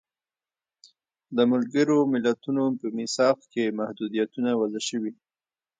د ملګرو ملتونو په میثاق کې محدودیتونه وضع شوي.